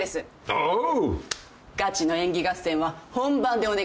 おう。